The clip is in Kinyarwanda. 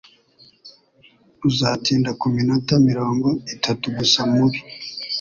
Uzatinda kuminota mirongo itatu gusa mubi.